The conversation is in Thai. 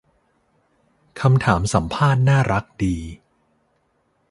คำถามสัมภาษณ์น่ารักดี